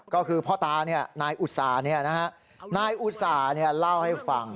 ก็คือพ่อตานี่นายอุศานี่นะฮะนายอุศานี่เล่าให้ฟัง